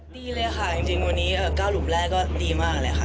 ดีเลยค่ะจริงวันนี้๙หลุมแรกก็ดีมากเลยค่ะ